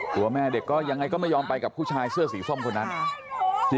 ตัวแม่เด็กก็ยังไงก็ไม่ยอมไปกับผู้ชายเสื้อสีส้มคนนั้น